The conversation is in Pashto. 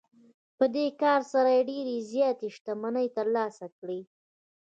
په دې کار سره یې ډېرې زیاتې شتمنۍ ترلاسه کړې